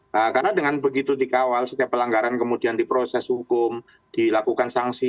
karena dengan begitu dikawal setiap pelanggaran kemudian diproses hukum dilakukan sanksi